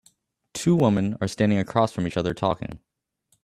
Two women are standing across from each other talking